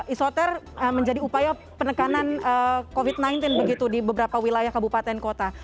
isoter menjadi upaya penekanan covid sembilan belas begitu di beberapa wilayah kabupaten kota